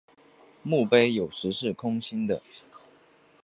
墓碑有时是空心的。